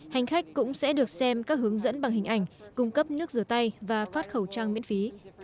hành khách cũng sẽ được xem các hướng dẫn bằng hình ảnh cung cấp nước rửa tay và phát khẩu trang miễn phí